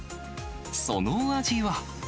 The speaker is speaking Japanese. その味は？